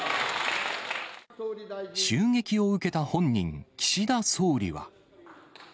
襲撃を受けた本人、岸田総理は。